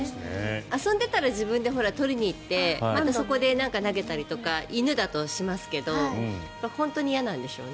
遊んでいたら自分で取りに行ってまたそこで投げたりとか犬だとしますけど本当に嫌なんでしょうね。